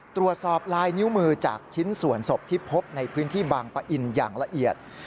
ตรวจสอบลายนิ้วมือจากชิ้นส่วนศพที่พบในพื้นที่บางปะอินอย่างละเอียด